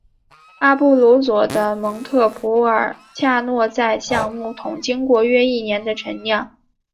阿布鲁佐的蒙特普尔恰诺在橡木桶经过约一年的陈酿。